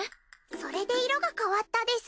それで色が変わったです。